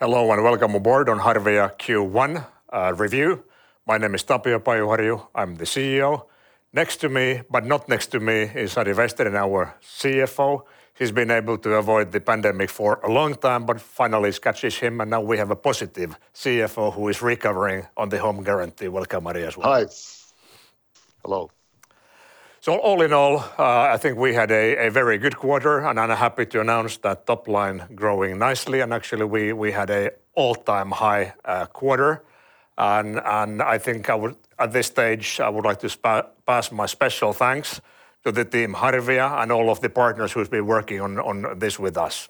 Hello and welcome aboard on Harvia Q1 review. My name is Tapio Pajuharju. I'm the CEO. Next to me, but not next to me, is Ari Vesterinen, our CFO. He's been able to avoid the pandemic for a long time, but finally it catches him, and now we have a positive CFO who is recovering on the home quarantine. Welcome, Ari, as well. Hi. Hello. All in all, I think we had a very good quarter, and I'm happy to announce that top line growing nicely. Actually we had an all-time high quarter. I think at this stage I would like to impart my special thanks to the team Harvia and all of the partners who's been working on this with us.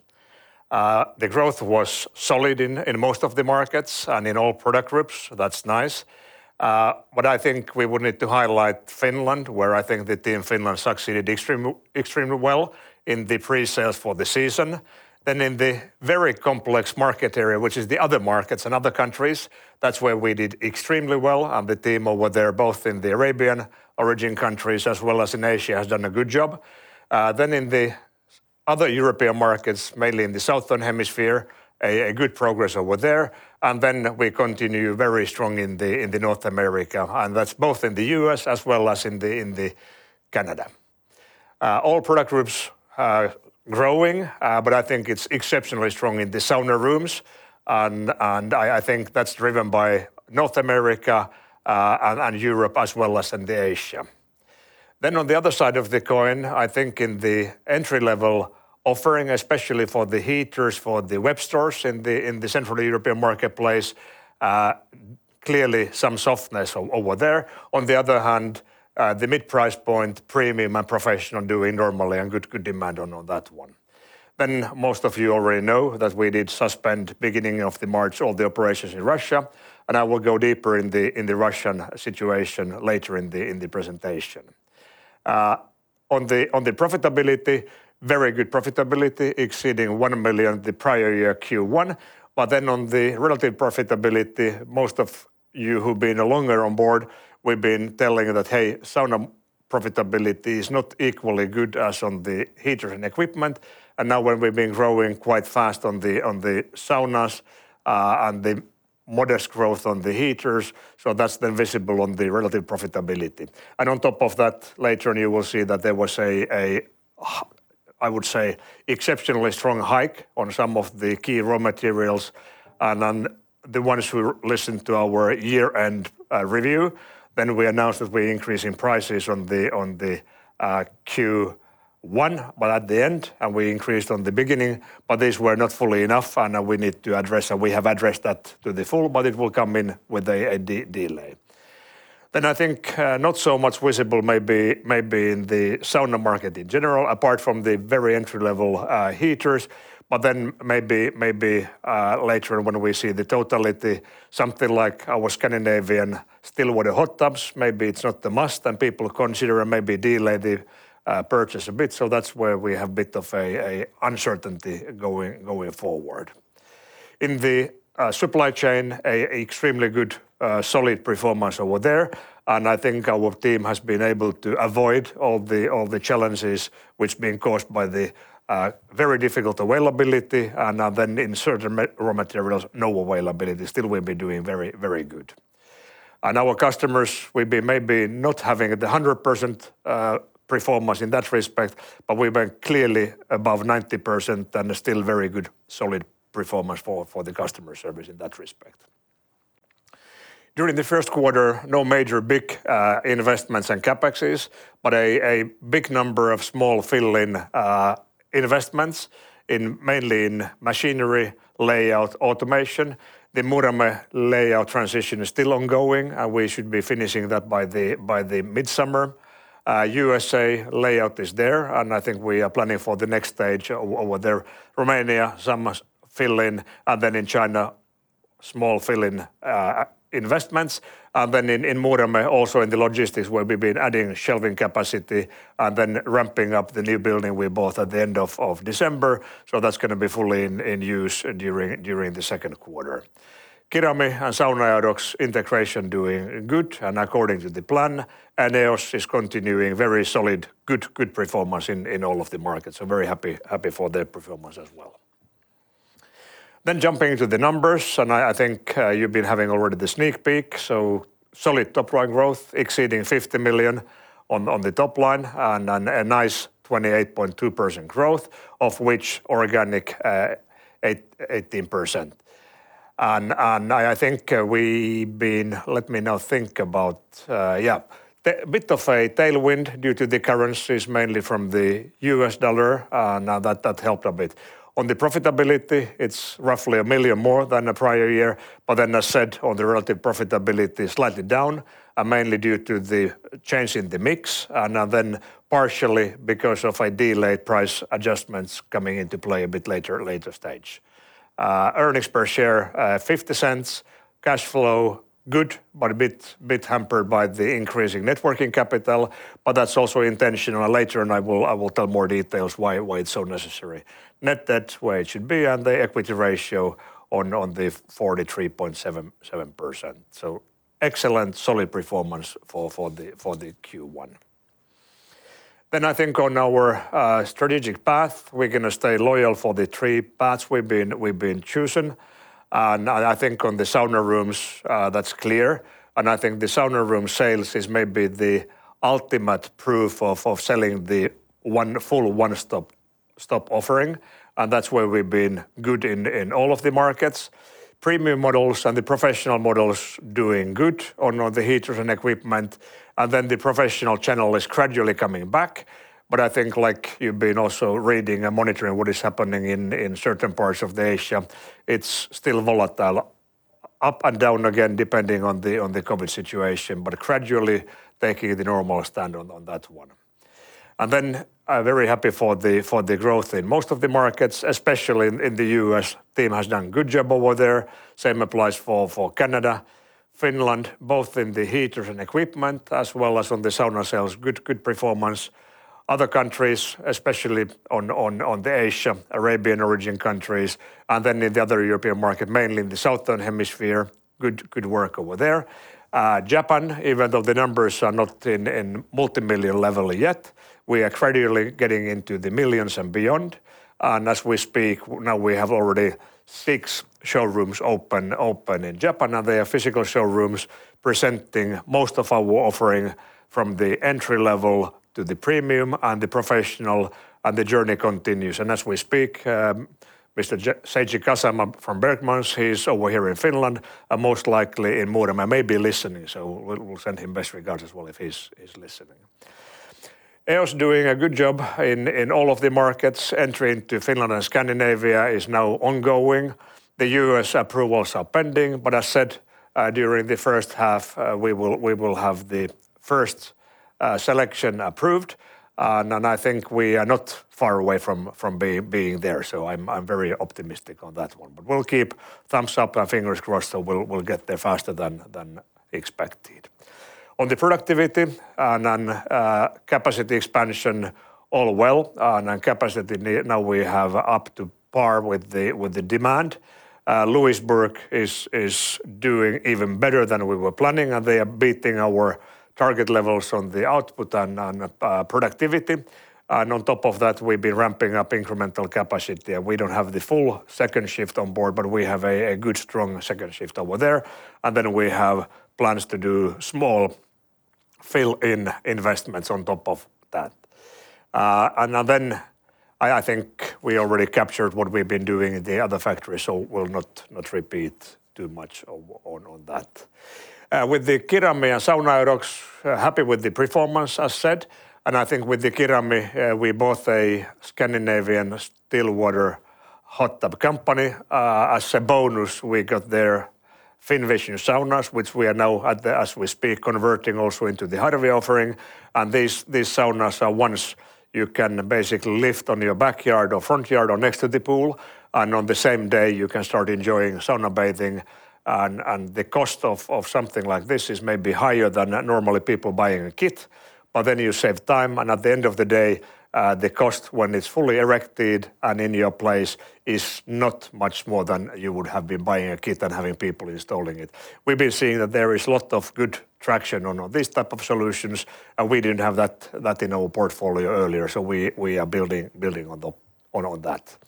The growth was solid in most of the markets and in all product groups. That's nice. I think we would need to highlight Finland, where I think the team Finland succeeded extremely well in the pre-sales for the season. In the very complex market area, which is the other markets and other countries, that's where we did extremely well. The team over there, both in the Arabian origin countries as well as in Asia, has done a good job. In the other European markets, mainly in the southern hemisphere, good progress over there. We continue very strong in North America, and that's both in the US as well as in Canada. All product groups are growing, but I think it's exceptionally strong in the sauna rooms, and I think that's driven by North America, and Europe as well as in Asia. On the other side of the coin, I think in the entry-level offering, especially for the heaters, for the web stores in the Central European marketplace, clearly some softness over there. On the other hand, the mid-price point, premium and professional doing normally and good demand on that one. Most of you already know that we did suspend beginning of March all the operations in Russia, and I will go deeper in the Russian situation later in the presentation. On the profitability, very good profitability, exceeding 1 million the prior-year Q1. On the relative profitability, most of you who've been longer on board, we've been telling that, hey, sauna profitability is not equally good as on the heater and equipment. Now when we've been growing quite fast on the saunas, and the modest growth on the heaters, so that's then visible on the relative profitability. On top of that, later on you will see that there was an exceptionally strong hike on some of the key raw materials. The ones who listened to our year-end review, we announced that we're increasing prices on the Q1, but at the end, and we increased at the beginning, but these were not fully enough and we need to address, and we have addressed that in full, but it will come in with a delay. I think not so much visible maybe in the sauna market general apart from the very entry level heaters on when we see the totality, something like our Scandinavian still water hot tubs, maybe it's not a must and people consider and maybe delay the purchase a bit. That's where we have a bit of uncertainty going forward. In the supply chain, an extremely good solid performance over there. I think our team has been able to avoid all the challenges which been caused by the very difficult availability and then in certain raw materials, no availability. Still, we've been doing very good. Our customers will be maybe not having the 100% performance in that respect, but we've been clearly above 90% and still very good solid performance for the customer service in that respect. During the first quarter, no major investments and CapEx, but a big number of small fill-in investments mainly in machinery, layout, automation. The Muurame layout transition is still ongoing, and we should be finishing that by the mid-summer. USA layout is there, and I think we are planning for the next stage over there. Romania, some fill-in, and then in China, small fill-in investments. In Muurame also in the logistics, we've been adding shelving capacity and then ramping up the new building we bought at the end of December. That's gonna be fully in use during the second quarter. Kirami and Sauna-Eurox's integration doing good and according to the plan. EOS is continuing very solid, good performance in all of the markets. Very happy for their performance as well. Jumping to the numbers, and I think you've been having already the sneak peek. Solid top line growth exceeding 50 million on the top line and a nice 28.2% growth, of which organic 18%. I think a bit of a tailwind due to the currencies, mainly from the US dollar. Now that helped a bit. On the profitability, it's roughly 1 million more than the prior year. On the relative profitability, slightly down, and mainly due to the change in the mix, and then partially because of delayed price adjustments coming into play a bit later stage. Earnings per share €0.50. Cash flow good, but a bit hampered by the increase in net working capital, but that's also intentional. Later on I will tell more details why it's so necessary. Net debt where it should be, and the equity ratio on the 43.7%. Excellent solid performance for the Q1. I think on our strategic path, we're gonna stay loyal for the three paths we've been choosing. I think on the sauna rooms, that's clear. I think the sauna room sales is maybe the ultimate proof of selling the full one-stop offering. That's where we've been good in all of the markets. Premium models and the professional models doing good on the heaters and equipment. The professional channel is gradually coming back. I think like you've been also reading and monitoring what is happening in certain parts of Asia, it's still volatile. Up and down again depending on the COVID situation, but gradually taking the normal standard on that one. Then, I'm very happy for the growth in most of the markets, especially in the US. Team has done good job over there. Same applies for Canada. Finland, both in the heaters and equipment as well as on the sauna sales, good performance. Other countries, especially in Asia, Arab origin countries, and then in the other European market, mainly in the southern hemisphere, good work over there. Japan, even though the numbers are not in multi-million level yet, we are gradually getting into the millions and beyond. As we speak, now we have already six showrooms open in Japan. They are physical showrooms presenting most of our offering from the entry level to the premium and the professional, and the journey continues. As we speak, Mr. Seiji Kasama from Bergman Ltd, he's over here in Finland, and most likely in Muurame, maybe listening. We'll send him best regards as well if he's listening. EOS doing a good job in all of the markets. Entry into Finland and Scandinavia is now ongoing. The U.S. approvals are pending, but as said, during the first half, we will have the first selection approved. I think we are not far away from being there. I'm very optimistic on that one. We'll keep thumbs up and fingers crossed that we'll get there faster than expected. On the productivity and then capacity expansion, all well. On capacity now we have up to par with the demand. Lewisburg is doing even better than we were planning, and they are beating our target levels on the output and on productivity. On top of that, we've been ramping up incremental capacity. We don't have the full second shift on board, but we have a good strong second shift over there. We have plans to do small fill-in investments on top of that. I think we already captured what we've been doing in the other factories, so we'll not repeat too much on that. With the Kirami and Sauna-Eurox, happy with the performance as said. I think with the Kirami, we bought a Scandinavian still water hot tub company. As a bonus, we got their FinVision saunas, which we are now, as we speak, converting also into the Harvia offering. These saunas are ones you can basically lift on your backyard or front yard or next to the pool. On the same day, you can start enjoying sauna bathing. The cost of something like this is maybe higher than normally people buying a kit. Then you save time, and at the end of the day, the cost when it's fully erected and in your place is not much more than you would have been buying a kit and having people installing it. We've been seeing that there is lot of good traction on these type of solutions, and we didn't have that in our portfolio earlier. We are building on that.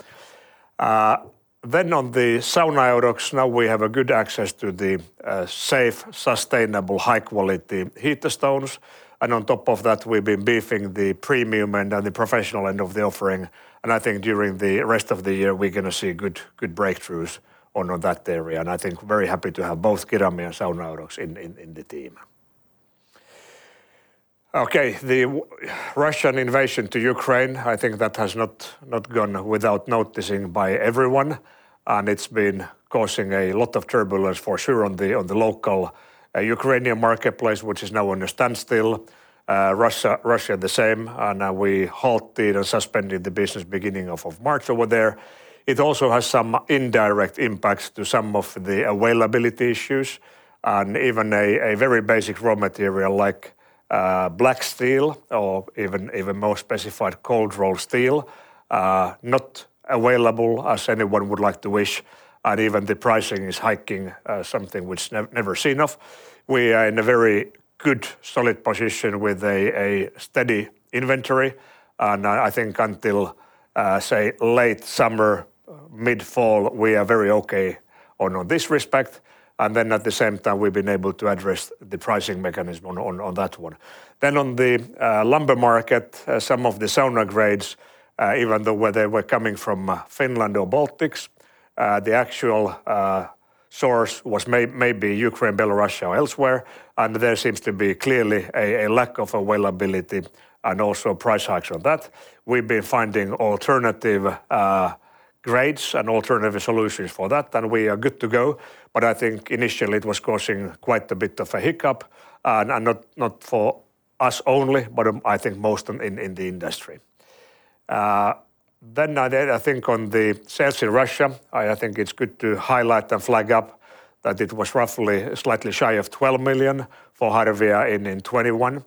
On the Sauna-Eurox, now we have a good access to the safe, sustainable, high quality heater stones. On top of that, we've been beefing up the premium end and the professional end of the offering. I think during the rest of the year, we're gonna see good breakthroughs on that area. I think very happy to have both Kirami and Sauna-Eurox in the team. Okay. The Russian invasion to Ukraine, I think that has not gone unnoticed by everyone. It's been causing a lot of turbulence for sure on the local Ukrainian marketplace, which is now at a standstill. Russia the same, and we halted and suspended the business beginning of March over there. It also has some indirect impacts to some of the availability issues, and even a very basic raw material like black steel or even more specified cold roll steel not available as anyone would like to wish. Even the pricing is hiking something which never seen of. We are in a very good solid position with a steady inventory. I think until say late summer, mid-fall, we are very okay on this respect. Then at the same time, we've been able to address the pricing mechanism on that one. Then on the lumber market, some of the sauna grades, even though where they were coming from, Finland or Baltics, the actual source was maybe Ukraine, Russia, or elsewhere. There seems to be clearly a lack of availability and also price hike on that. We've been finding alternative grades and alternative solutions for that, and we are good to go. I think initially it was causing quite a bit of a hiccup, and not for us only, but I think most in the industry. I think on the sales in Russia, it's good to highlight and flag up that it was roughly slightly shy of 12 million for Harvia in 2021.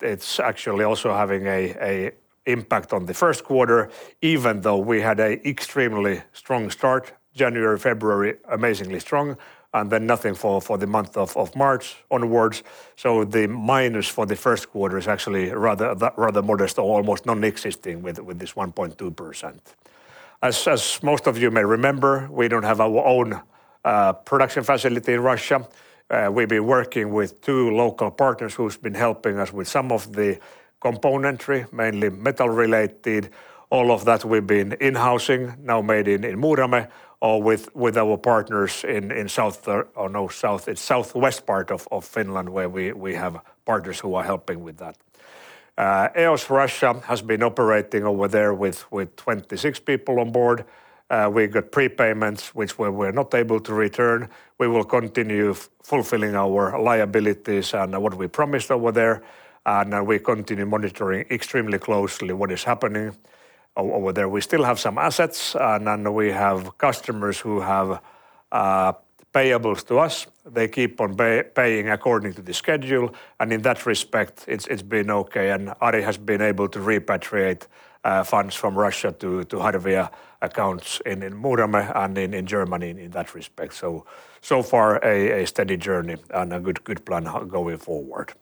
It's actually also having an impact on the first quarter, even though we had an extremely strong start. January, February, amazingly strong, and then nothing for the month of March onwards. The minus for the first quarter is actually rather modest or almost non-existing with this 1.2%. As most of you may remember, we don't have our own production facility in Russia. We've been working with two local partners who's been helping us with some of the componentry, mainly metal-related. All of that we've been in-housing, now made in Muurame or with our partners in southwest part of Finland where we have partners who are helping with that. EOS Russia has been operating over there with 26 people on board. We got prepayments which we were not able to return. We will continue fulfilling our liabilities and what we promised over there, and we continue monitoring extremely closely what is happening over there. We still have some assets, and we have customers who have payables to us. They keep on paying according to the schedule, and in that respect, it's been okay. Ari has been able to repatriate funds from Russia to Harvia accounts in Muurame and in Germany in that respect. So far a steady journey and a good plan going forward.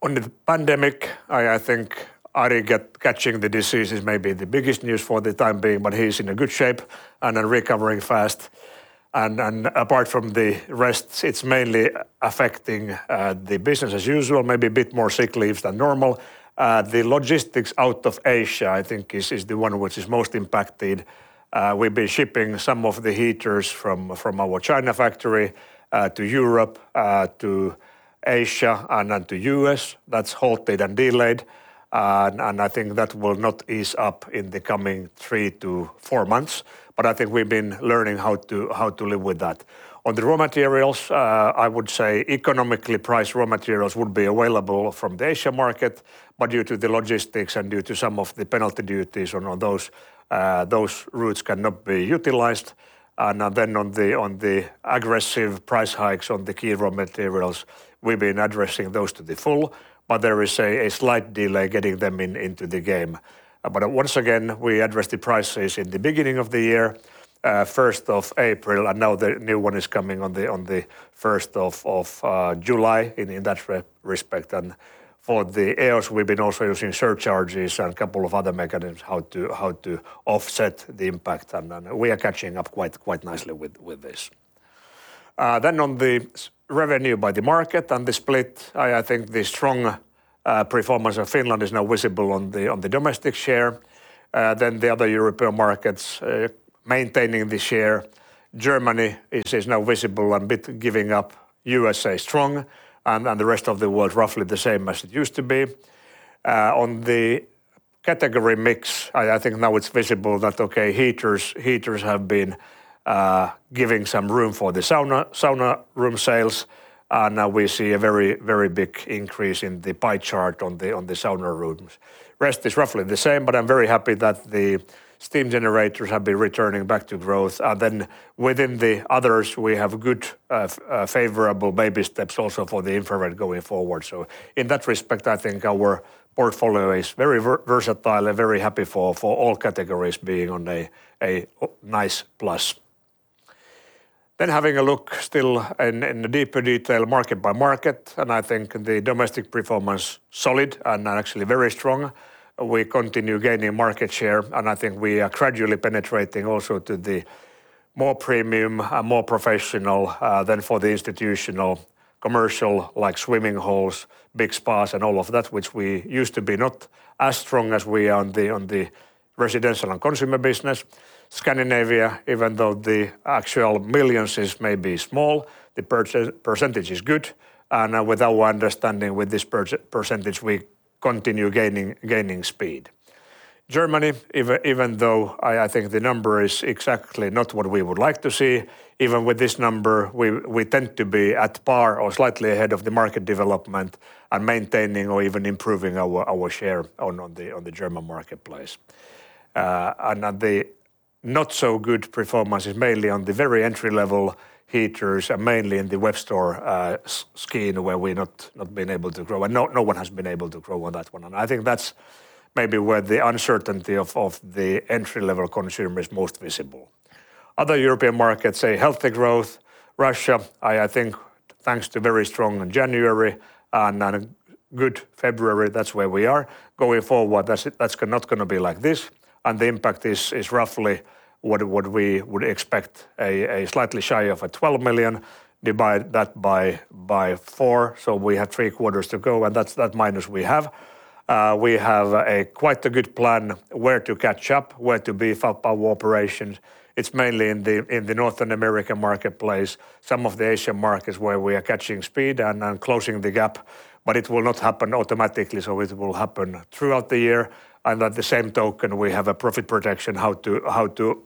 On the pandemic, I think Ari catching the disease is maybe the biggest news for the time being, but he's in a good shape and recovering fast. Apart from the rest, it's mainly affecting the business as usual, maybe a bit more sick leaves than normal. The logistics out of Asia, I think, is the one which is most impacted. We've been shipping some of the heaters from our China factory to Europe to Asia, and to U.S. That's halted and delayed. I think that will not ease up in the coming 3-4 months. I think we've been learning how to live with that. On the raw materials, I would say economically priced raw materials would be available from the Asia market. Due to the logistics and due to some of the penalty duties on those routes cannot be utilized. On the aggressive price hikes on the key raw materials, we've been addressing those to the full. There is a slight delay getting them into the game. Once again, we address the prices in the beginning of the year, first of April, and now the new one is coming on the first of July in that respect. For the EOS, we've been also using surcharges and a couple of other mechanisms how to offset the impact. Then we are catching up quite nicely with this. On the revenue by the market and the split, I think the strong performance of Finland is now visible on the domestic share. The other European markets maintaining the share. Germany is now visible and a bit giving up. USA strong and the rest of the world roughly the same as it used to be. On the category mix, I think now it's visible that, okay, heaters have been giving some room for the sauna room sales. Now we see a very big increase in the pie chart on the sauna rooms. Rest is roughly the same, but I'm very happy that the steam generators have been returning back to growth. Then within the others, we have good favorable baby steps also for the infrared going forward. In that respect, I think our portfolio is very versatile. I'm very happy for all categories being on a nice plus. Having a look still in deeper detail market by market, I think the domestic performance solid and actually very strong. We continue gaining market share, and I think we are gradually penetrating also to the more premium and more professional than for the institutional commercial like swimming holes, big spas and all of that, which we used to be not as strong as we are on the residential and consumer business. Scandinavia, even though the actual millions is maybe small, the percentage is good. With our understanding with this percentage, we continue gaining speed. Germany, even though I think the number is exactly not what we would like to see, even with this number, we tend to be at par or slightly ahead of the market development and maintaining or even improving our share on the German marketplace. On the not so good performance is mainly on the very entry-level heaters and mainly in the web store in Scandinavia where we're not been able to grow. No one has been able to grow on that one. I think that's maybe where the uncertainty of the entry-level consumer is most visible. Other European markets, a healthy growth. Russia, I think thanks to very strong January and good February, that's where we are. Going forward, that's not gonna be like this. The impact is roughly what we would expect, slightly shy of 12 million. Divide that by four. We have three quarters to go, and that's the minus we have. We have quite a good plan where to catch up, where to beef up our operations. It's mainly in the North American marketplace, some of the Asian markets where we are catching speed and closing the gap. It will not happen automatically, so it will happen throughout the year. By the same token, we have a profit protection how to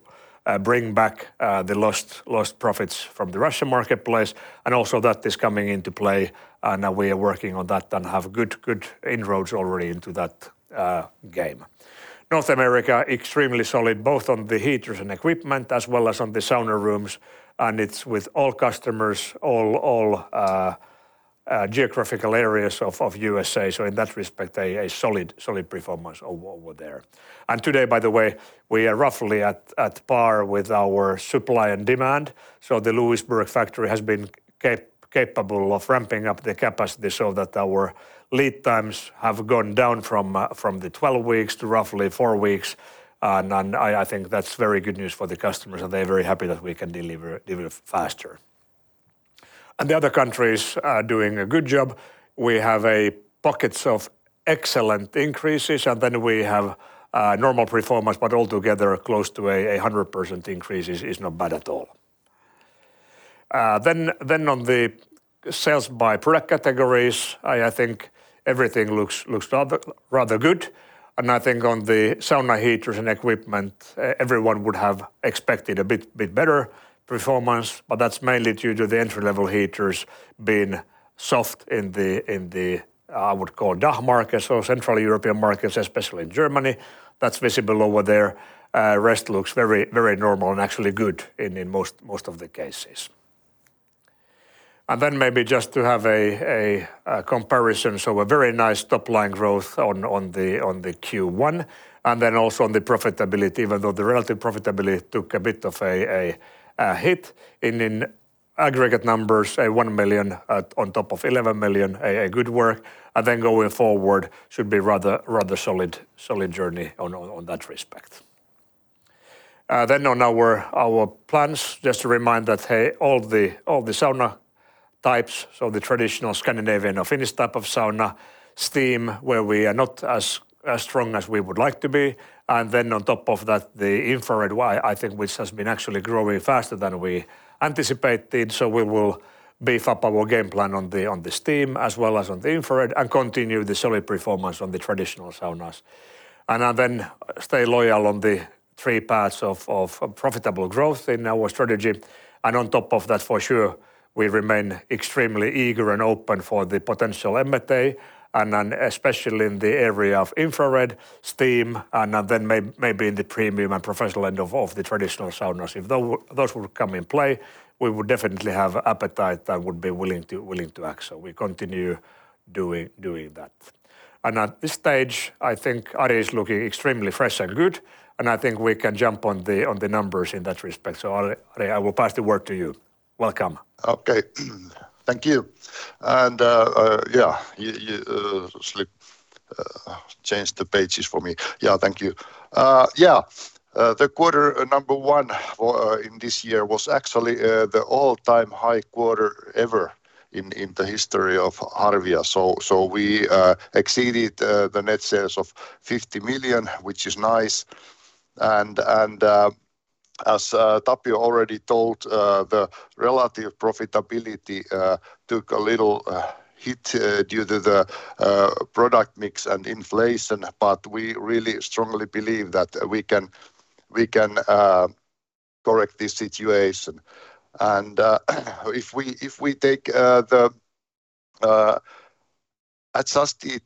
bring back the lost profits from the Russian marketplace. Also that is coming into play, and we are working on that and have good inroads already into that game. North America, extremely solid, both on the heaters and equipment, as well as on the sauna rooms. It's with all customers, all geographical areas of USA. In that respect, a solid performance over there. Today, by the way, we are roughly at par with our supply and demand. The Lewisburg factory has been capable of ramping up the capacity so that our lead times have gone down from 12 weeks to roughly four weeks. I think that's very good news for the customers, and they're very happy that we can deliver faster. The other countries are doing a good job. We have pockets of excellent increases, and then we have normal performance, but altogether close to 100% increase is not bad at all. On the sales by product categories, I think everything looks rather good. I think on the sauna heaters and equipment, everyone would have expected a bit better performance, but that's mainly due to the entry-level heaters being soft in the, I would call DACH markets or Central European markets, especially Germany. That's visible over there. Rest looks very normal and actually good in most of the cases. Then maybe just to have a comparison. A very nice top-line growth on the Q1, and then also on the profitability, even though the relative profitability took a bit of a hit. In aggregate numbers, 1 million on top of 11 million, a good work. Then going forward should be rather solid journey on that respect. Then on our plans, just to remind that, hey, all the sauna types, so the traditional Scandinavian or Finnish type of sauna, steam, where we are not as strong as we would like to be, and then on top of that, the infrared, I think, which has been actually growing faster than we anticipated. We will beef up our game plan on the steam as well as on the infrared and continue the solid performance on the traditional saunas. Stay loyal on the three paths of profitable growth in our strategy. On top of that, for sure, we remain extremely eager and open for the potential M&A, and then especially in the area of infrared, steam, and then maybe in the premium and professional end of the traditional saunas. If those would come in play, we would definitely have appetite and would be willing to act. We continue doing that. At this stage, I think Ari Vesterinen is looking extremely fresh and good, and I think we can jump on the numbers in that respect. Ari Vesterinen, I will pass the word to you. Welcome. Okay. Thank you. Yeah, you please change the pages for me. Yeah. Thank you. Yeah. The quarter number one in this year was actually the all-time high quarter ever in the history of Harvia. We exceeded the net sales of 50 million, which is nice. As Tapio already told, the relative profitability took a little hit due to the product mix and inflation. We really strongly believe that we can correct this situation. If we take the adjusted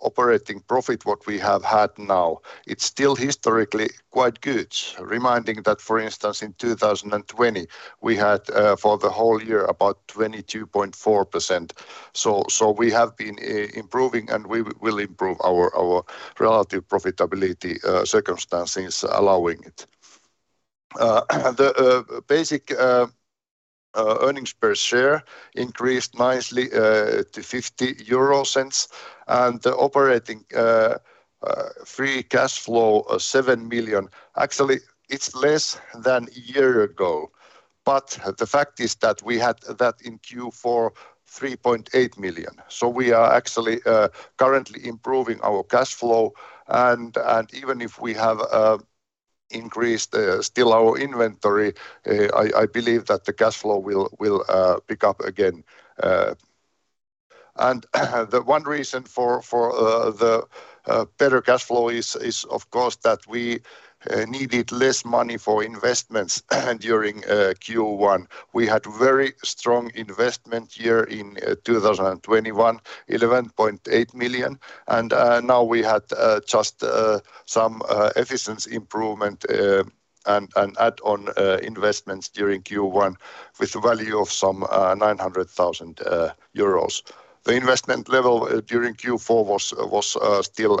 operating profit what we have had now, it's still historically quite good. Reminding that, for instance, in 2020, we had for the whole year about 22.4%. We have been improving, and we will improve our relative profitability, circumstances allowing it. The basic earnings per share increased nicely to 0.50, and the operating free cash flow of 7 million. Actually, it's less than a year ago. The fact is that we had that in Q4, 3.8 million. We are actually currently improving our cash flow. Even if we have increased still our inventory, I believe that the cash flow will pick up again. The one reason for the better cash flow is of course that we needed less money for investments during Q1. We had very strong investment year in 2021, 11.8 million. Now we had just some efficiency improvement and add-on investments during Q1 with value of some 900 thousand euros. The investment level during Q4 was still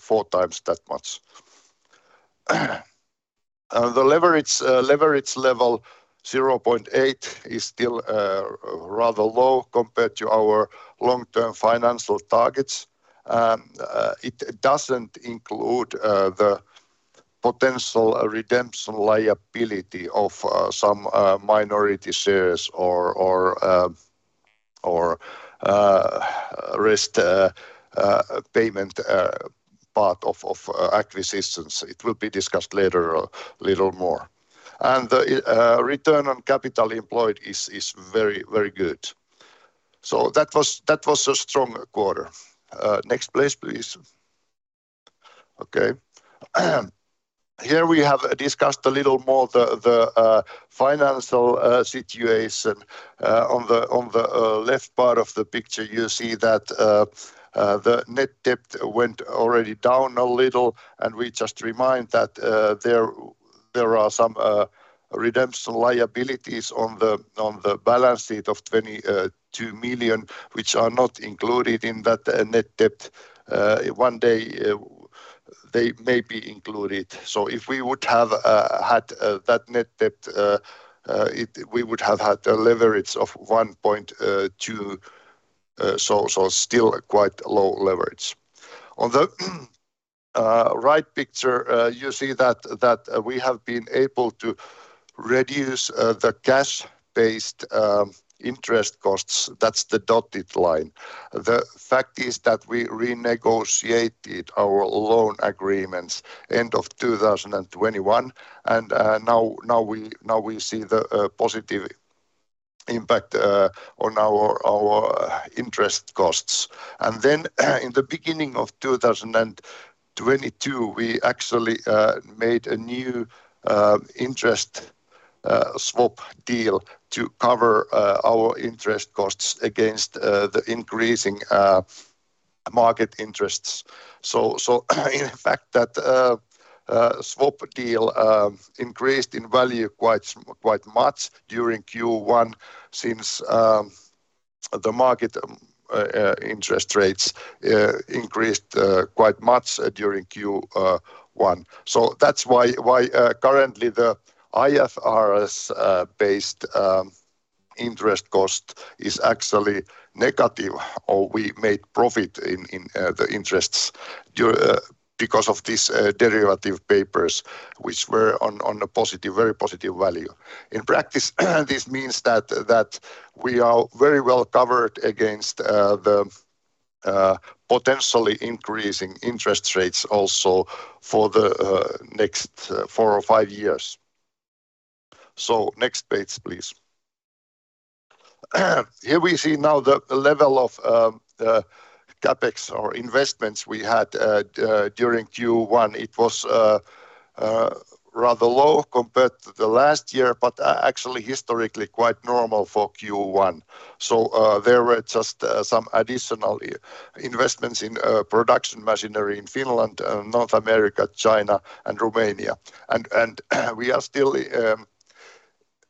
four times that much. The leverage level 0.8 is still rather low compared to our long-term financial targets. It doesn't include the potential redemption liability of some minority shares or risk payment part of acquisitions. It will be discussed later a little more. The return on capital employed is very good. That was a strong quarter. Next please. Okay. Here we have discussed a little more the financial situation. On the left part of the picture, you see that the net debt went already down a little. We just remind that there are some redemption liabilities on the balance sheet of 22 million, which are not included in that net debt. One day they may be included. If we would have had that net debt, we would have had a leverage of 1.2. Still quite low leverage. On the right picture, you see that we have been able to reduce the cash-based interest costs. That's the dotted line. The fact is that we renegotiated our loan agreements end of 2021, and now we see the positive impact on our interest costs. Then in the beginning of 2022, we actually made a new interest swap deal to cover our interest costs against the increasing market interests. In fact that swap deal increased in value quite much during Q1 since the market interest rates increased quite much during Q1. That's why currently the IFRS based interest cost is actually negative, or we made profit in the interests because of these derivative papers which were on a very positive value. In practice, this means that we are very well covered against the potentially increasing interest rates also for the next four or five years. Next page, please. Here we see the level of CapEx or investments we had during Q1. It was rather low compared to the last year but actually historically quite normal for Q1. There were just some additional investments in production machinery in Finland, North America, China, and Romania. We are still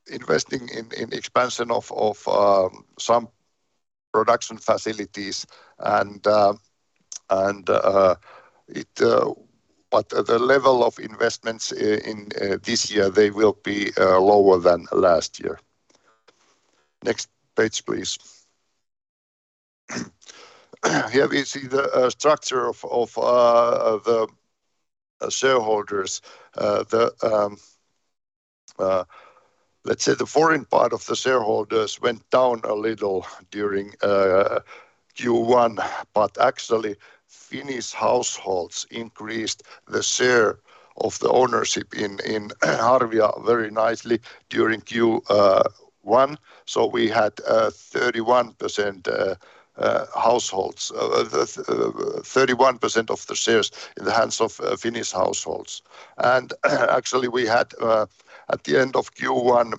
investing in expansion of some production facilities. The level of investments in this year, they will be lower than last year. Next page, please. Here we see the structure of shareholders. Let's say the foreign part of the shareholders went down a little during Q1, but actually Finnish households increased the share of the ownership in Harvia very nicely during Q1. We had 31% of the shares in the hands of Finnish households. Actually we had at the end of Q1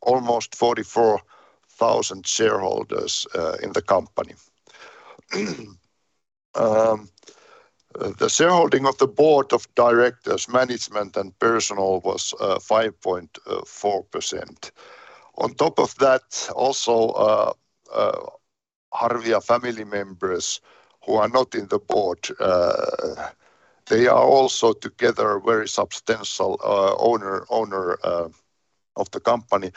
almost 44,000 shareholders in the company. The shareholding of the board of directors, management, and personnel was 5.4%. On top of that, also Harvia family members who are not in the board, they are also together very substantial owner of the company.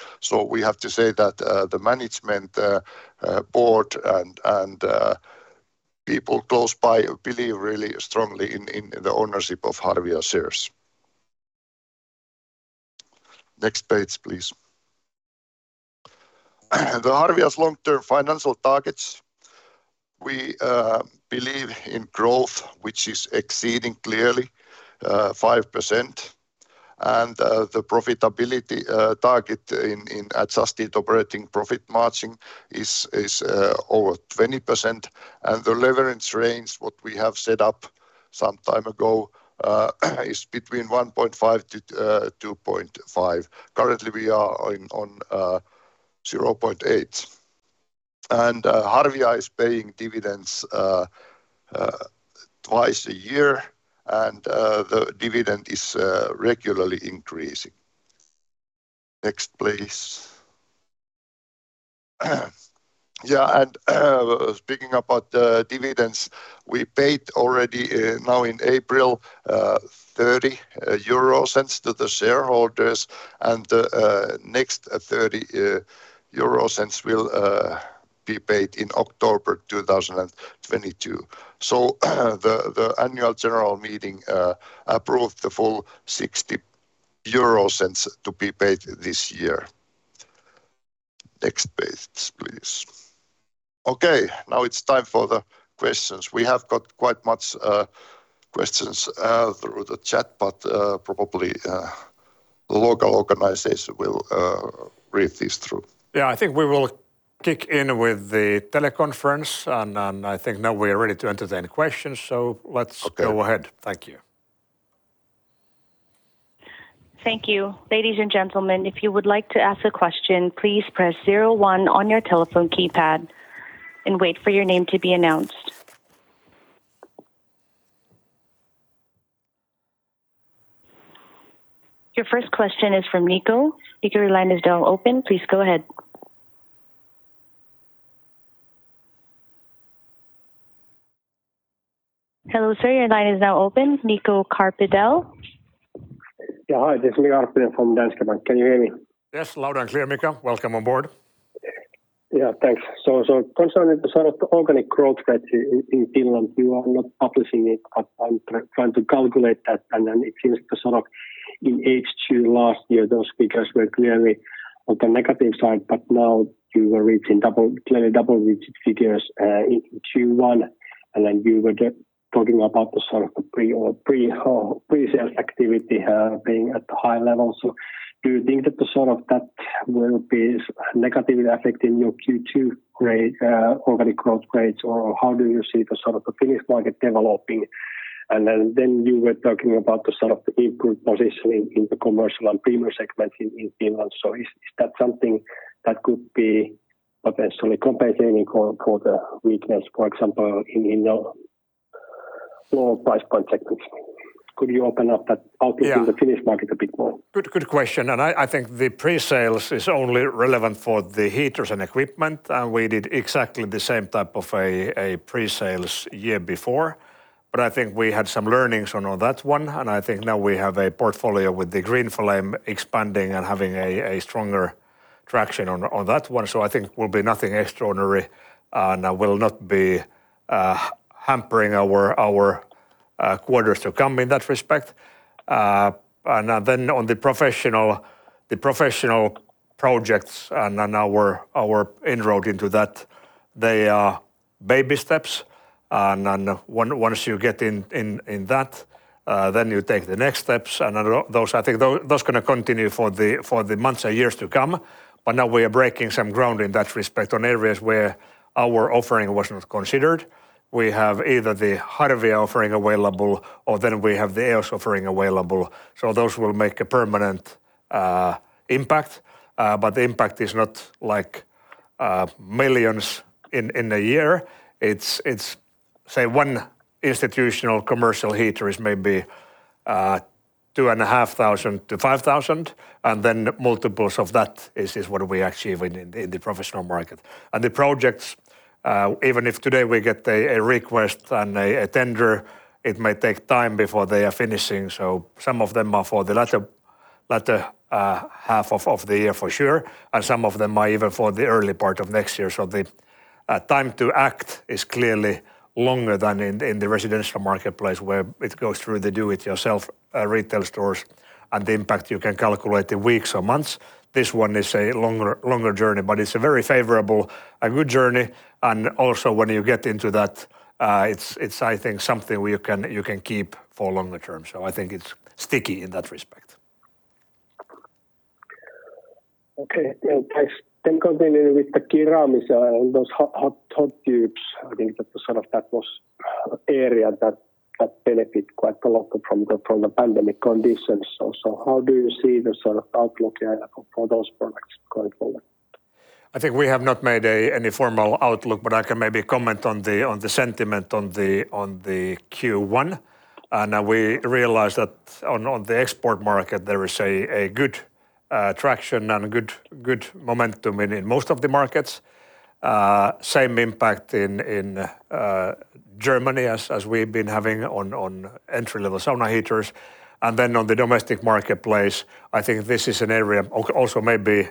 We have to say that the management board and people close by believe really strongly in the ownership of Harvia shares. Next page, please. Harvia's long-term financial targets, we believe in growth, which is exceeding clearly 5%, and the profitability target in adjusted operating profit margin is over 20%, and the leverage range what we have set up some time ago is between 1.5-2.5. Currently, we are on 0.8. Harvia is paying dividends twice a year, and the dividend is regularly increasing. Next, please. Speaking about the dividends, we paid already now in April 0.30 to the shareholders, and the next 0.30 will be paid in October 2022. The annual general meeting approved the full 0.60 euros to be paid this year. Next page, please. Okay. Now it's time for the questions. We have got quite much questions through the chat, but probably the local organizer will read these through. Yeah. I think we will kick in with the teleconference and I think now we are ready to entertain questions. Okay. Go ahead. Thank you. Thank you. Ladies and gentlemen, if you would like to ask a question, please press zero one on your telephone keypad and wait for your name to be announced. Your first question is from Nico. Nico, your line is now open. Please go ahead. Hello, sir. Your line is now open. Nico Carpitella. Yeah, hi, this is Nico Carpitella from Danske Bank. Can you hear me? Yes, loud and clear, Nico. Welcome on board. Yeah, thanks. Concerning the sort of organic growth that in Finland, you are not publishing it, but I'm trying to calculate that, and then it seems to sort of in H2 last year, those figures were clearly on the negative side. Now you were reaching double-digit figures in Q1, and then you were talking about the sort of pre-sales activity being at high levels. Do you think that the sort of that will be negatively affecting your Q2 growth organic growth rates? Or how do you see the sort of the Finnish market developing? Then you were talking about the sort of the improved positioning in the commercial and premium segments in Finland. Is that something that could be potentially compensating for the weakness, for example, in the lower price point segments? Could you open up that- Yeah. Outlook in the Finnish market a bit more? Good question. I think the pre-sales is only relevant for the heaters and equipment. We did exactly the same type of a pre-sales year before, but I think we had some learnings on that one. I think now we have a portfolio with the GreenFlame expanding and having a stronger traction on that one. I think it will be nothing extraordinary, and will not be hampering our quarters to come in that respect. Then on the professional projects and on our inroad into that, they are baby steps. Once you get in that, then you take the next steps. Those I think gonna continue for the months and years to come. Now we are breaking some ground in that respect on areas where our offering was not considered. We have either the Harvia offering available or then we have the EOS offering available. Those will make a permanent impact. The impact is not like millions in a year. It's, say 1 institutional commercial heater is maybe 2,500-5,000, and then multiples of that is what we achieve in the professional market. The projects even if today we get a request and a tender, it may take time before they are finishing. Some of them are for the latter half of the year for sure, and some of them are even for the early part of next year. The time to act is clearly longer than in the residential marketplace where it goes through the do-it-yourself retail stores, and the impact you can calculate in weeks or months. This one is a longer journey, but it's a very favorable, a good journey. Also when you get into that, it's I think something you can keep for longer term. I think it's sticky in that respect. Okay, yeah, thanks. Continuing with the Kirami and those hot tubs. I think that the sort of area that benefited quite a lot from the pandemic conditions also. How do you see the sort of outlook, yeah, for those products going forward? I think we have not made any formal outlook, but I can maybe comment on the sentiment on the Q1. We realized that on the export market there is a good traction and good momentum in most of the markets. Same impact in Germany as we've been having on entry-level sauna heaters. Then on the domestic marketplace, I think this is an area also maybe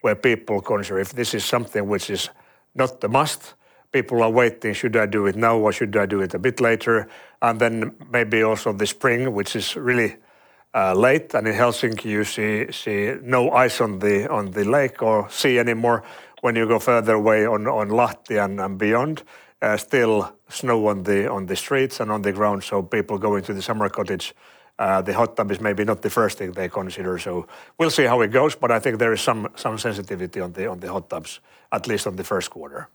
where people consider if this is something which is not a must. People are waiting, "Should I do it now or should I do it a bit later?" Then maybe also the spring, which is really late. In Helsinki, you see no ice on the lake or sea anymore when you go further away on Lahti and beyond. Still snow on the streets and on the ground, so people going to the summer cottage, the hot tub is maybe not the first thing they consider. We'll see how it goes, but I think there is some sensitivity on the hot tubs, at least in the first quarter.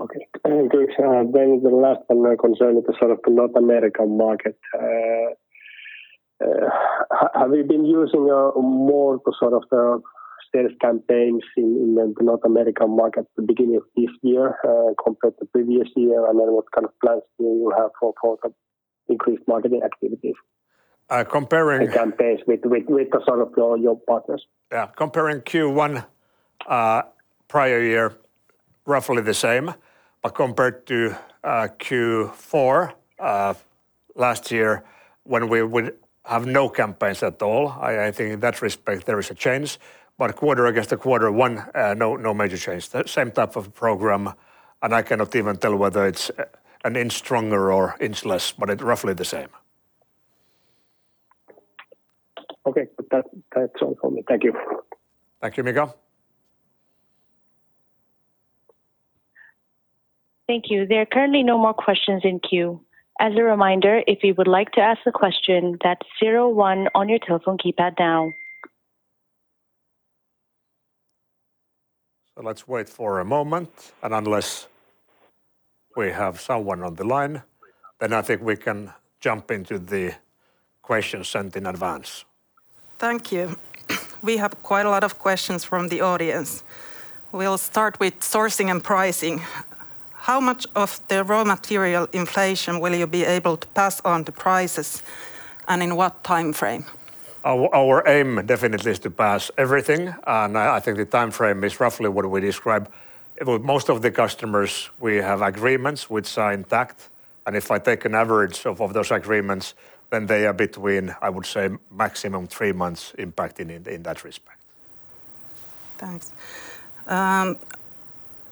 Okay. The last one concerning the sort of North American market. Have you been using more of the sort of sales campaigns in the North American market at the beginning of this year, compared to previous year? What kind of plans do you have for the increased marketing activities? Uh, comparing- campaigns with the sort of your partners? Yeah. Comparing Q1 prior year, roughly the same. Compared to Q4 last year when we would have no campaigns at all, I think in that respect there is a change. Quarter against the quarter one, no major change. The same type of program, and I cannot even tell whether it's an inch stronger or inch less, but it's roughly the same. Okay. That, that's all for me. Thank you. Thank you, Nico. Thank you. There are currently no more questions in queue. As a reminder, if you would like to ask a question, that's zero one on your telephone keypad now. Let's wait for a moment, and unless we have someone on the line, then I think we can jump into the questions sent in advance. Thank you. We have quite a lot of questions from the audience. We'll start with sourcing and pricing. How much of the raw material inflation will you be able to pass on to prices, and in what timeframe? Our aim definitely is to pass everything. I think the timeframe is roughly what we described. With most of the customers, we have agreements which are intact, and if I take an average of those agreements, then they are between, I would say, maximum three months impact in that respect. Thanks.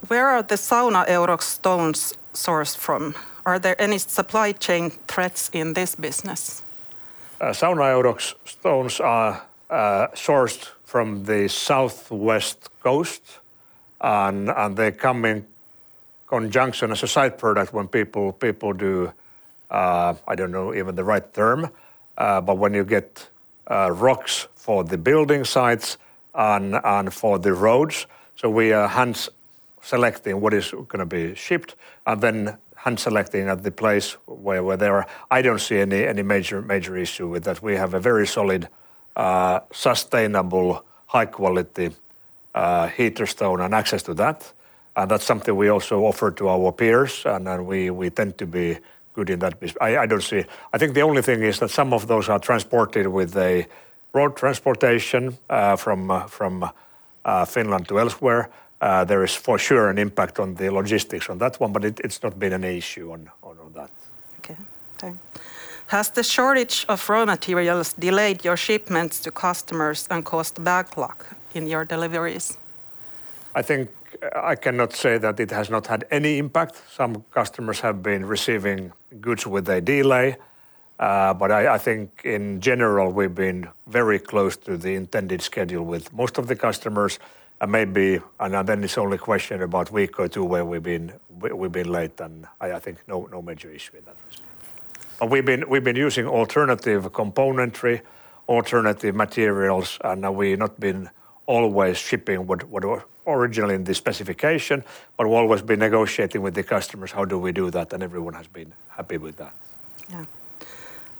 Where are the Sauna-Eurox stones sourced from? Are there any supply chain threats in this business? Sauna-Eurox stones are sourced from the southwest coast and they come in conjunction as a side product when people do, I don't know even the right term, but when you get rocks for the building sites and for the roads. We are hand selecting what is gonna be shipped and then hand selecting at the place where there are. I don't see any major issue with that. We have a very solid sustainable high quality heater stone and access to that, and that's something we also offer to our peers and then we tend to be good in that. I don't see. I think the only thing is that some of those are transported with a road transportation from Finland to elsewhere. There is for sure an impact on the logistics on that one, but it's not been an issue on that. Okay. Thanks. Has the shortage of raw materials delayed your shipments to customers and caused backlog in your deliveries? I think I cannot say that it has not had any impact. Some customers have been receiving goods with a delay, but I think in general we've been very close to the intended schedule with most of the customers and maybe, and then it's only a question about week or two where we've been late, and I think no major issue in that respect. We've been using alternative componentry, alternative materials, and we've not been always shipping what originally in the specification. We've always been negotiating with the customers how do we do that, and everyone has been happy with that. Yeah.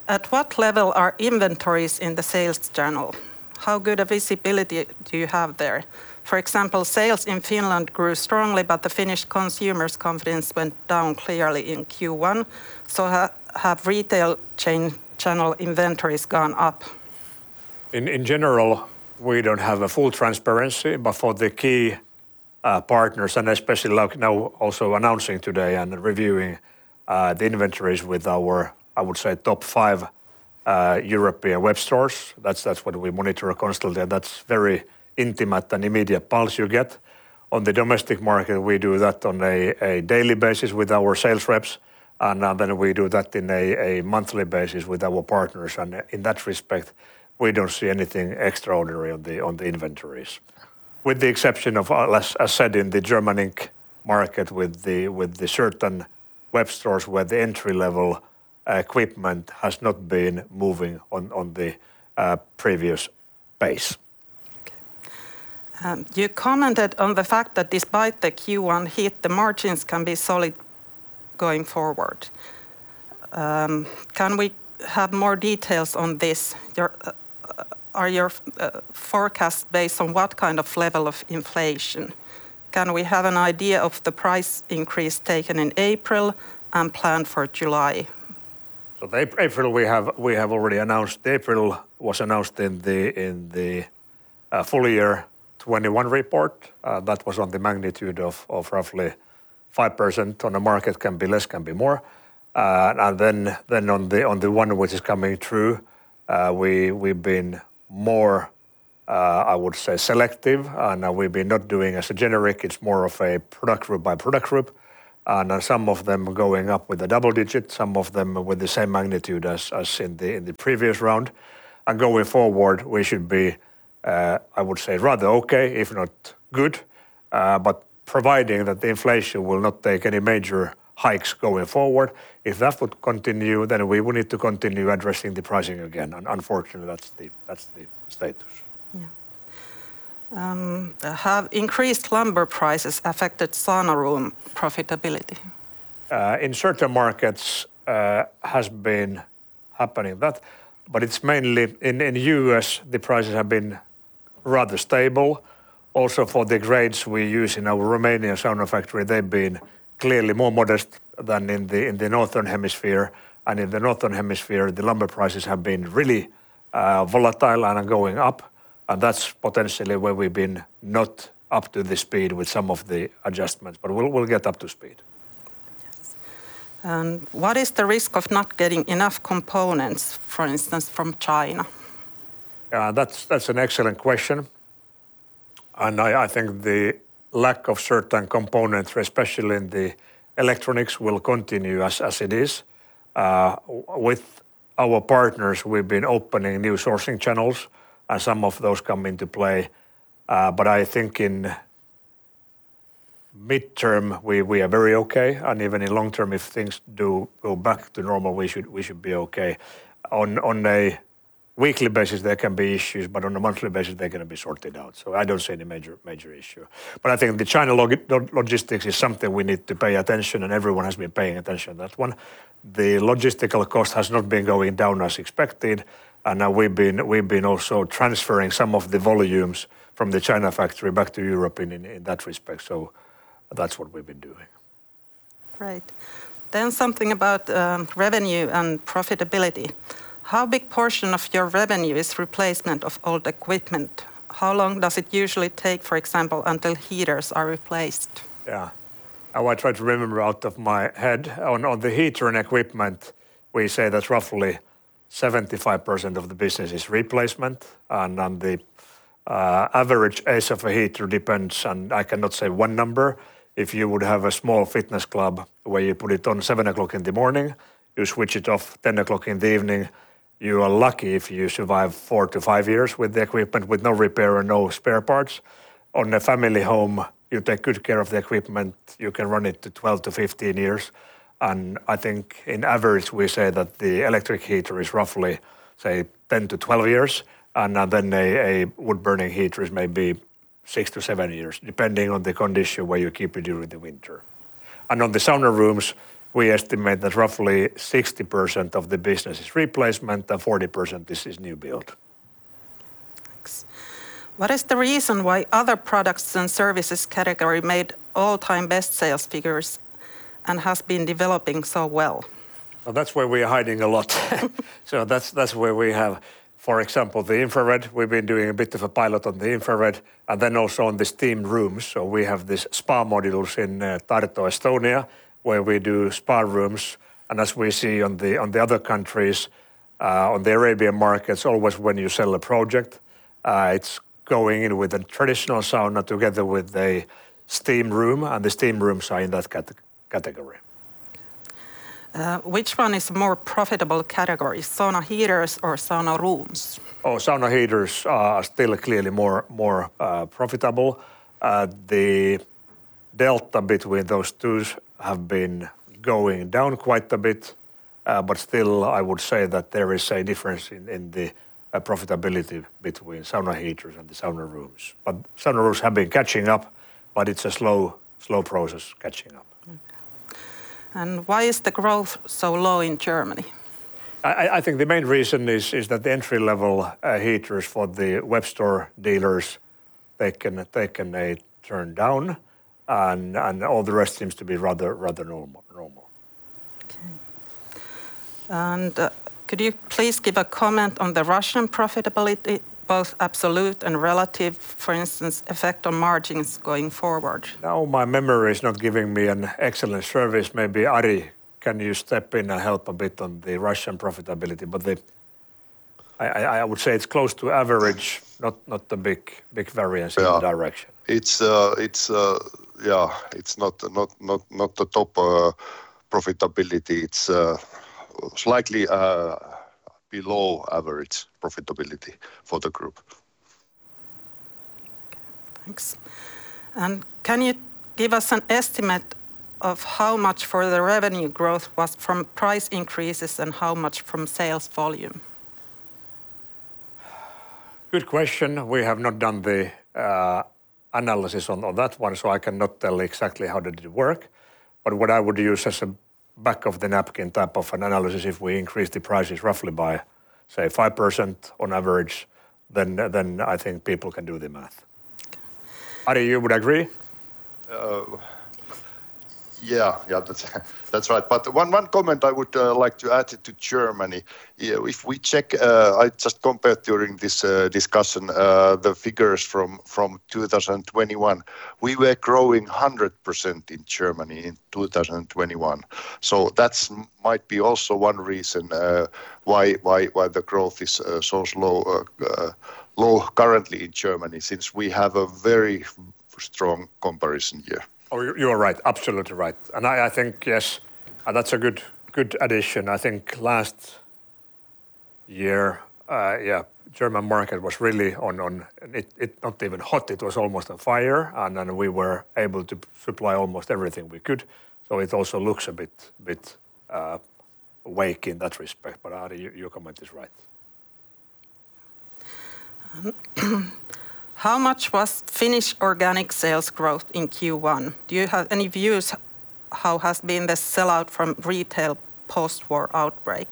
At what level are inventories in the sales channel? How good a visibility do you have there? For example, sales in Finland grew strongly, but the Finnish consumers' confidence went down clearly in Q1, so have retail channel inventories gone up? In general, we don't have a full transparency, but for the key partners and especially like now also announcing today and reviewing the inventories with our, I would say, top five European web stores, that's what we monitor constantly and that's very intimate and immediate pulse you get. On the domestic market, we do that on a daily basis with our sales reps, and then we do that in a monthly basis with our partners. In that respect, we don't see anything extraordinary on the inventories. Okay. With the exception of, as said in the German market with the certain web stores where the entry-level equipment has not been moving on the previous pace. Okay. You commented on the fact that despite the Q1 hit, the margins can be solid going forward. Can we have more details on this? Are your forecast based on what kind of level of inflation? Can we have an idea of the price increase taken in April and planned for July? The April we have already announced. The April was announced in the full year 2021 report. That was on the magnitude of roughly 5% on the market. Can be less, can be more. Then on the one which is coming through, we've been more, I would say, selective, and we've been not doing as a generic. It's more of a product group by product group. Some of them are going up with a double digit, some of them with the same magnitude as in the previous round. Going forward, we should be, I would say, rather okay, if not good. But providing that the inflation will not take any major hikes going forward. If that would continue, then we would need to continue addressing the pricing again. Unfortunately, that's the status. Yeah. Have increased lumber prices affected sauna room profitability? In certain markets that has been happening, but it's mainly in the US the prices have been rather stable. Also, for the grades we use in our Romanian sauna factory, they've been clearly more modest than in the Northern Hemisphere. In the Northern Hemisphere, the lumber prices have been really volatile and are going up, and that's potentially where we've been not up to speed with some of the adjustments. We'll get up to speed. Yes. What is the risk of not getting enough components, for instance, from China? That's an excellent question, and I think the lack of certain components, especially in the electronics, will continue as it is. With our partners, we've been opening new sourcing channels, and some of those come into play. I think in midterm, we are very okay, and even in long term, if things do go back to normal, we should be okay. On a weekly basis there can be issues, but on a monthly basis, they're gonna be sorted out. I don't see any major issue. I think the China logistics is something we need to pay attention, and everyone has been paying attention on that one. The logistical cost has not been going down as expected. Now we've been also transferring some of the volumes from the China factory back to Europe in that respect. That's what we've been doing. Right. Something about revenue and profitability. How big portion of your revenue is replacement of old equipment? How long does it usually take, for example, until heaters are replaced? Yeah. I will try to remember out of my head. On the heater and equipment, we say that roughly 75% of the business is replacement. On the average age of a heater depends, and I cannot say one number. If you would have a small fitness club where you put it on 7:00 A.M., you switch it off 10:00 P.M., you are lucky if you survive four-five years with the equipment with no repair or no spare parts. On a family home, you take good care of the equipment, you can run it to 12-15 years. I think on average, we say that the electric heater is roughly, say, 10-12 years, and then a wood-burning heater is maybe six-seven years, depending on the condition where you keep it during the winter. On the sauna rooms, we estimate Yeah in that direction. It's not the top profitability. It's slightly below average profitability for the group. Okay. Thanks. Can you give us an estimate of how much of the revenue growth was from price increases and how much from sales volume? Good question. We have not done the analysis on that one, so I cannot tell exactly how did it work. What I would use as a back of the napkin type of an analysis, if we increase the prices roughly by, say, 5% on average, then I think people can do the math. Okay. Ari, you would agree? Yeah. Yeah, that's right. One comment I would like to add to Germany. Yeah, if we check, I just compared during this discussion the figures from 2021. We were growing 100% in Germany in 2021. That might be also one reason why the growth is so slow, low currently in Germany since we have a very strong comparison year. Oh, you're right. Absolutely right. I think, yes, that's a good addition. I think last year, German market was really on fire, and then we were able to supply almost everything we could. It also looks a bit weak in that respect. Ari, your comment is right. How much was Finnish organic sales growth in Q1? Do you have any views how has been the sell-out from retail post-war outbreak?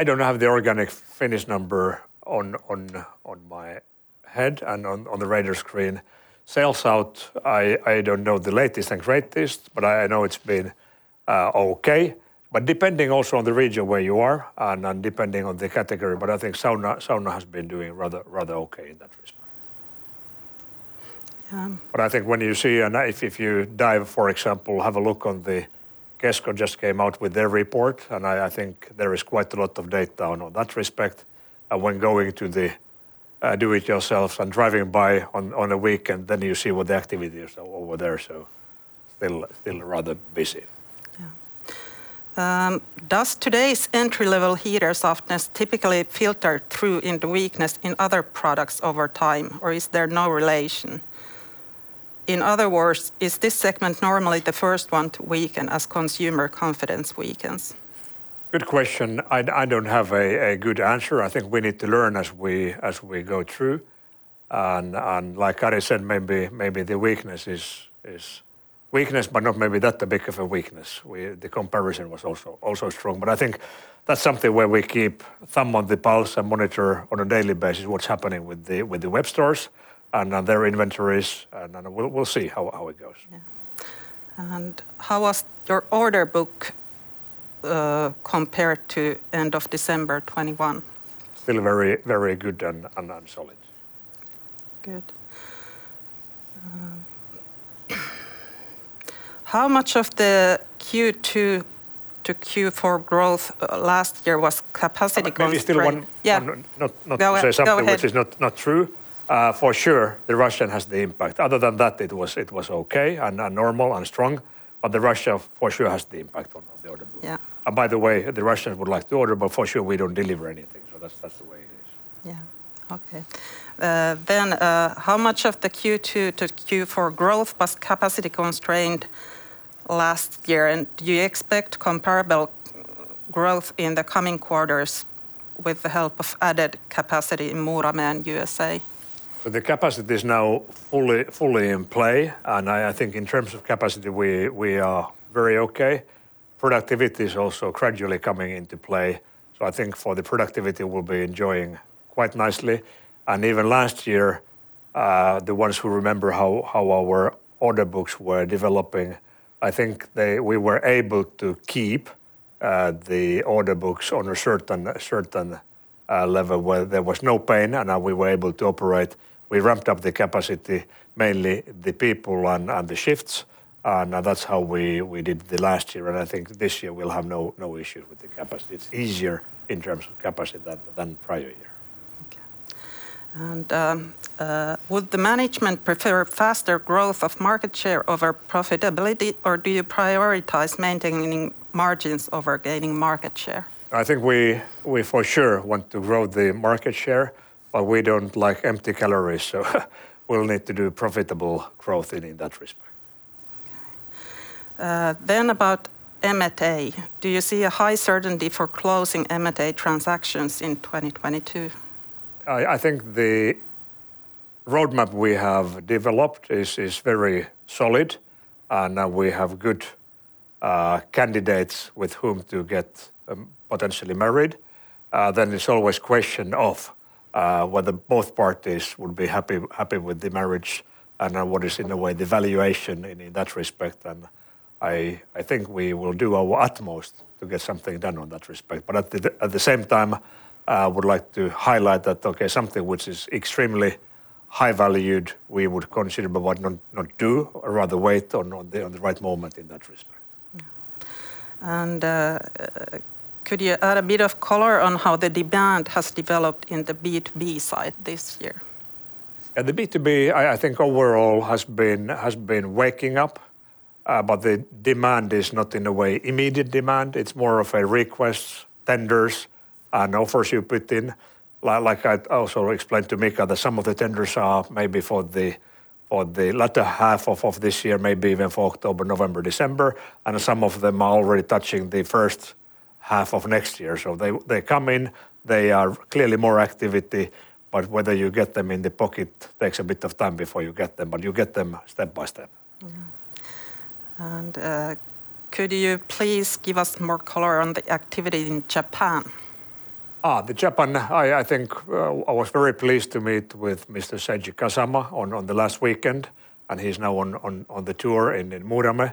I don't have the organic Finnish number on my head and on the radar screen. Sell-out, I don't know the latest and greatest, but I know it's been okay. Depending also on the region where you are and depending on the category, but I think sauna has been doing rather okay in that respect. Um- I think when you see, and if you dive, for example, have a look on the Kesko just came out with their report, and I think there is quite a lot of data on that respect. When going to the do it yourself and driving by on a weekend, then you see what the activity is over there, so still rather busy. Yeah. Does today's entry-level heater softness typically filter through into weakness in other products over time, or is there no relation? In other words, is this segment normally the first one to weaken as consumer confidence weakens? Good question. I don't have a good answer. I think we need to learn as we go through. Like Kari said, maybe the weakness is weakness, but not maybe that big of a weakness. The comparison was also strong. I think that's something where we keep thumb on the pulse and monitor on a daily basis what's happening with the web stores and their inventories, and then we'll see how it goes. Yeah. How was your order book compared to end of December 2021? Still very, very good and solid. Good. How much of the Q2 to Q4 growth last year was capacity constrained? Maybe still one- Yeah. One... Not- Go a- Not to say something. Go ahead. Which is not true. For sure, Russia has the impact. Other than that, it was okay and normal and strong, but Russia for sure has the impact on the order book. Yeah. By the way, the Russians would like to order, but for sure we don't deliver anything, so that's the way it is. How much of the Q2 to Q4 growth was capacity constrained last year? Do you expect comparable growth in the coming quarters with the help of added capacity in Muurame and USA? The capacity is now fully in play, and I think in terms of capacity, we are very okay. Productivity is also gradually coming into play, so I think for the productivity we'll be enjoying quite nicely. Even last year, the ones who remember how our order books were developing, I think we were able to keep the order books on a certain level where there was no pain and we were able to operate. We ramped up the capacity, mainly the people and the shifts, and that's how we did the last year, and I think this year we'll have no issues with the capacity. It's easier in terms of capacity than prior year. Would the management prefer faster growth of market share over profitability, or do you prioritize maintaining margins over gaining market share? I think we for sure want to grow the market share, but we don't like empty calories, so we'll need to do profitable growth in that respect. Okay. About M&A. Do you see a high certainty for closing M&A transactions in 2022? I think the roadmap we have developed is very solid, and we have good candidates with whom to get potentially married. It's always question of whether both parties will be happy with the marriage and what is in a way the valuation in that respect. I think we will do our utmost to get something done in that respect. At the same time, I would like to highlight that, okay, something which is extremely high valued, we would consider but might not do or rather wait for the right moment in that respect. Yeah. Could you add a bit of color on how the demand has developed in the B2B side this year? The B2B, I think overall has been waking up, but the demand is not in a way immediate demand. It's more of a request, tenders and offers you put in. Like I also explained to Mika, that some of the tenders are maybe for the latter half of this year, maybe even for October, November, December, and some of them are already touching the first half of next year. They come in. There is clearly more activity, but whether you get them in the pocket takes a bit of time before you get them, but you get them step by step. Could you please give us more color on the activity in Japan? I think I was very pleased to meet with Mr. Seiji Kasama in Japan on the last weekend, and he's now on the tour in Muurame.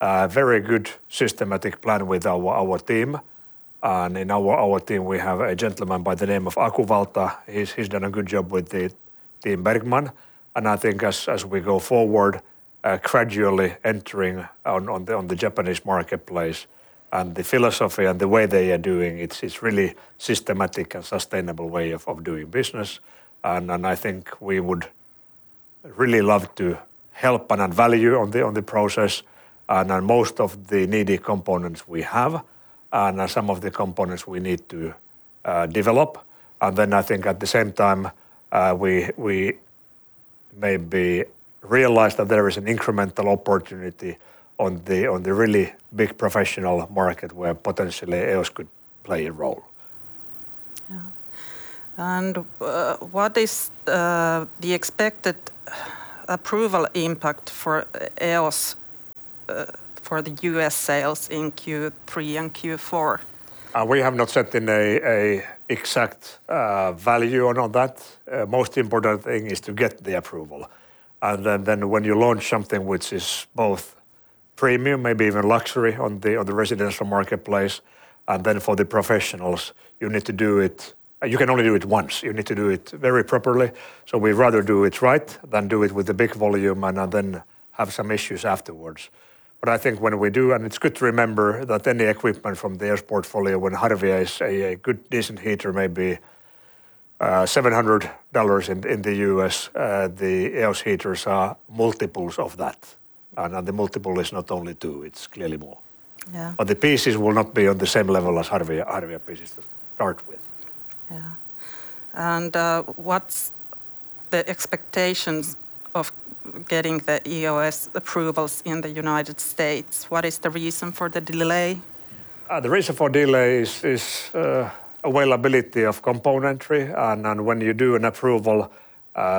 A very good systematic plan with our team, and in our team, we have a gentleman by the name of Aku Valta. He's done a good job with the Team Bergman. I think as we go forward, gradually entering the Japanese marketplace and the philosophy and the way they are doing, it's really systematic and sustainable way of doing business. I think we would really love to help and add value to the process. Most of the needed components we have, and some of the components we need to develop. I think at the same time, we maybe realize that there is an incremental opportunity on the really big professional market where potentially EOS could play a role. What is the expected approval impact for EOS for the U.S. sales in Q3 and Q4? We have not set an exact value on that. Most important thing is to get the approval. Then when you launch something which is both premium, maybe even luxury on the residential marketplace, and then for the professionals, you need to do it. You can only do it once. You need to do it very properly. We'd rather do it right than do it with a big volume and then have some issues afterwards. I think when we do. It's good to remember that any equipment from the EOS portfolio, when Harvia is a good decent heater, maybe $700 in the U.S., the EOS heaters are multiples of that. The multiple is not only two, it's clearly more. Yeah. The pieces will not be on the same level as Harvia pieces to start with. What's the expectations of getting the EOS approvals in the United States? What is the reason for the delay? The reason for delay is availability of components. Then when you do an approval,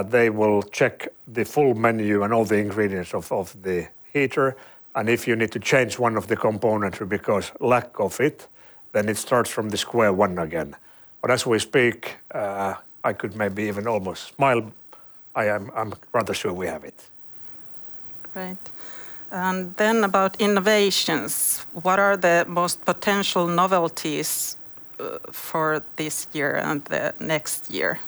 they will check the full menu and all the ingredients of the heater. If you need to change one of the components because lack of it, then it starts from square one again. As we speak, I could maybe even almost smile. I'm rather sure we have it. Great. About innovations. What are the most potential novelties for this year and the next year?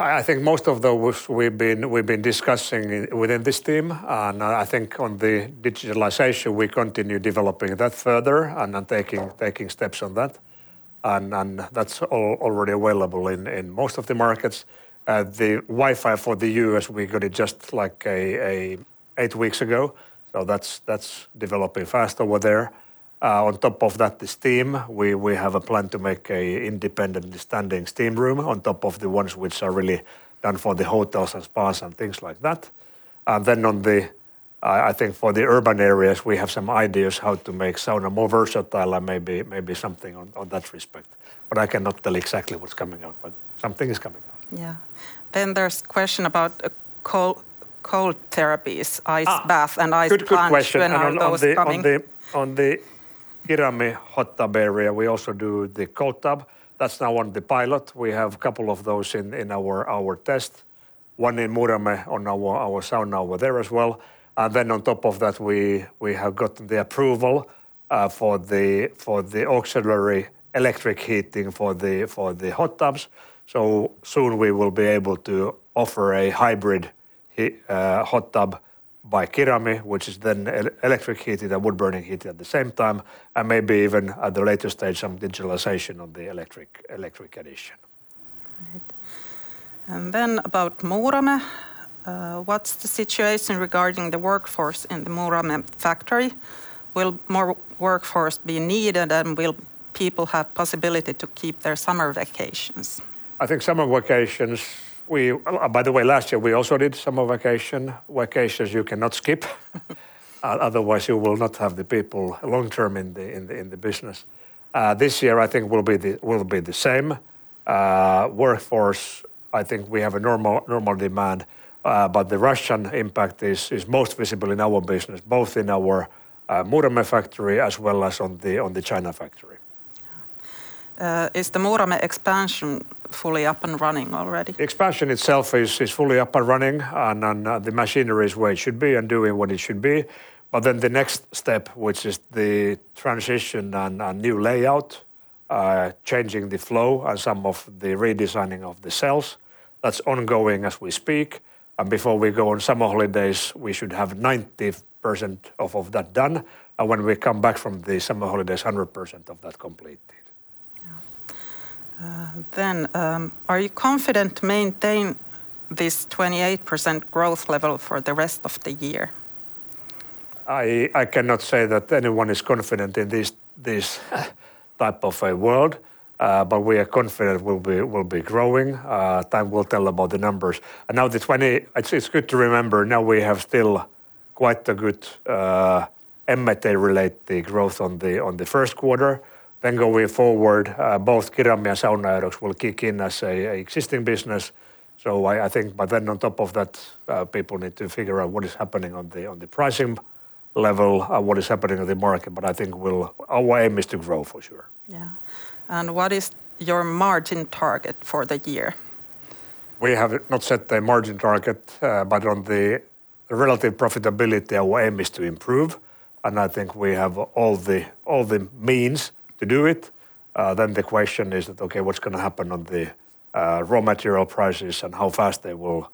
I think most of those we've been discussing within this team. I think on the digitalization, we continue developing that further and then taking steps on that. That's already available in most of the markets. The Wi-Fi for the U.S., we got it just like a 8 weeks ago, so that's developing fast over there. On top of that, the steam. We have a plan to make an independently standing steam room on top of the ones which are really done for the hotels and spas and things like that. I think for the urban areas, we have some ideas how to make sauna more versatile and maybe something on that respect. But I cannot tell exactly what's coming out, but something is coming out. Yeah. There's question about cold therapies. Ah. Ice bath and ice plunge. Good question. When are those coming? On the Kirami hot tub area, we also do the cold tub. That's now on the pilot. We have couple of those in our test. One in Muurame on our sauna over there as well. On top of that, we have got the approval for the auxiliary electric heating for the hot tubs. Soon we will be able to offer a hybrid hot tub by Kirami, which is then electric heated and wood-burning heated at the same time, and maybe even at the later stage, some digitalization of the electric edition. Right. About Muurame. What's the situation regarding the workforce in the Muurame factory? Will more workforce be needed, and will people have possibility to keep their summer vacations? By the way, last year we also did summer vacation. Vacations you cannot skip. Otherwise you will not have the people long-term in the business. This year I think will be the same. Workforce, I think we have a normal demand. The Russian impact is most visible in our business, both in our Muurame factory as well as on the China factory. Yeah. Is the Muurame expansion fully up and running already? Expansion itself is fully up and running, and then the machinery is where it should be and doing what it should be. The next step, which is the transition and new layout, changing the flow and some of the redesigning of the cells, that's ongoing as we speak. Before we go on summer holidays, we should have 90% of that done. When we come back from the summer holidays, 100% of that completed. Yeah. Are you confident to maintain this 28% growth level for the rest of the year? I cannot say that anyone is confident in this type of a world. We are confident we'll be growing. Time will tell about the numbers. It's good to remember, now we have still quite a good momentum related to the growth in the first quarter. Going forward, both Kirami and Nordic Sauna will kick in as an existing business. I think on top of that, people need to figure out what is happening on the pricing level and what is happening on the market. But I think we'll. Our aim is to grow for sure. Yeah. What is your margin target for the year? We have not set the margin target, but on the relative profitability, our aim is to improve, and I think we have all the means to do it. The question is that, okay, what's gonna happen on the raw material prices and how fast they will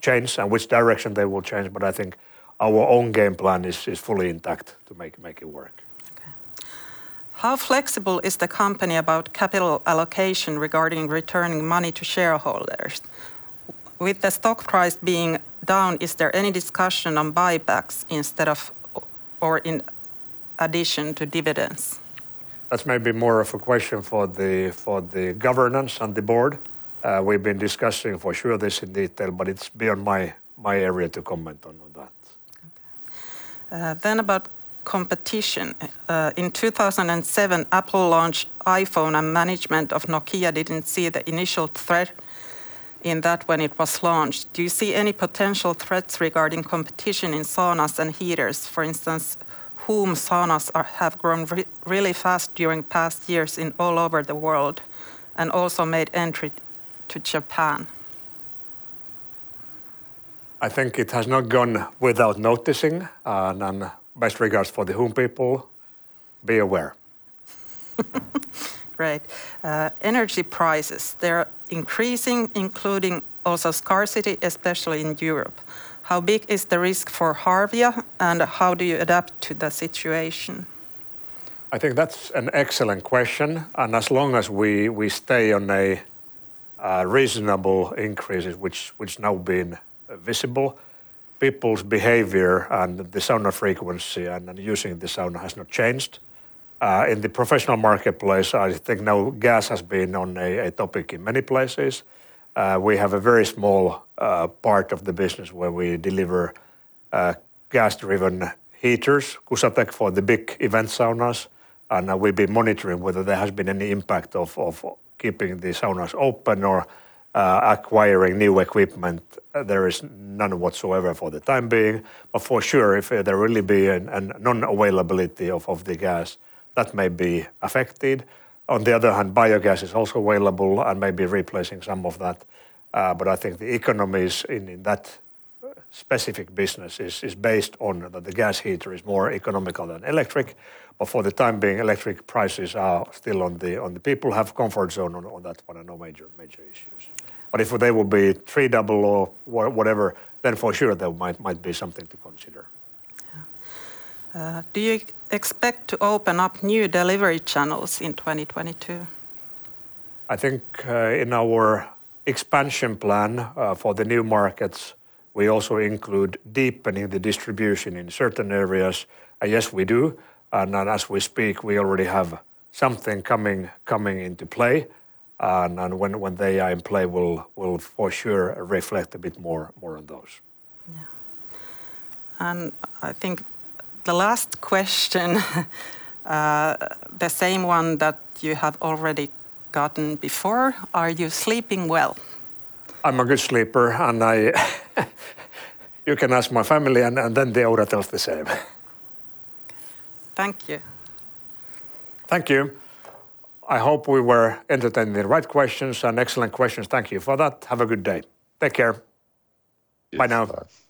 change and which direction they will change. But I think our own game plan is fully intact to make it work. Okay. How flexible is the company about capital allocation regarding returning money to shareholders? With the stock price being down, is there any discussion on buybacks instead of or in addition to dividends? That's maybe more of a question for the governance and the board. We've been discussing for sure this in detail, but it's beyond my area to comment on that. Okay. About competition. In 2007, Apple launched iPhone, and management of Nokia didn't see the initial threat in that when it was launched. Do you see any potential threats regarding competition in saunas and heaters? For instance, HUUM saunas have grown really fast during past years all over the world and also made entry to Japan. I think it has not gone without noticing, and best regards for the HUUM people. Be aware. Right. Energy prices, they're increasing, including also scarcity, especially in Europe. How big is the risk for Harvia, and how do you adapt to the situation? I think that's an excellent question, and as long as we stay on reasonable increases which have now been visible. People's behavior and the sauna frequency and using the sauna has not changed. In the professional marketplace, I think now gas has been on a topic in many places. We have a very small part of the business where we deliver gas-driven heaters, Kusatek, for the big event saunas, and we've been monitoring whether there has been any impact of keeping the saunas open or acquiring new equipment. There is none whatsoever for the time being. For sure, if there will be a non-availability of the gas, that may be affected. On the other hand, biogas is also available and may be replacing some of that. I think the economies in that specific business is based on that the gas heater is more economical than electric. For the time being, electric prices are still in the people's comfort zone on that one and no major issues. If they will be tripled or whatever, then for sure that might be something to consider. Yeah. Do you expect to open up new delivery channels in 2022? I think, in our expansion plan, for the new markets, we also include deepening the distribution in certain areas. Yes, we do. Then as we speak, we already have something coming into play, and when they are in play will for sure reflect a bit more on those. Yeah. I think the last question, the same one that you have already gotten before: Are you sleeping well? I'm a good sleeper. You can ask my family, and then they oughta tell us the same. Thank you. Thank you. I hope we were entertaining the right questions and excellent questions. Thank you for that. Have a good day. Take care. Bye now. Yes. Bye.